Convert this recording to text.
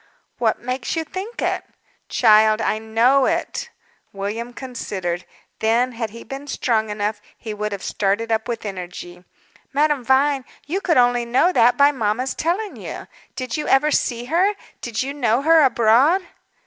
"What makes you think it?" "Child, I know it!" William considered. Then, had he been strong enough, he would have started up with energy. "Madame Vine, you could only know that by mamma's telling you! Did you ever see her? Did you know her abroad?"